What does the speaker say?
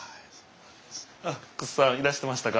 あっ楠さんいらしてましたか。